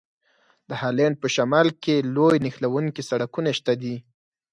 د هالند په شمال کې لوی نښلوونکي سړکونه شته دي.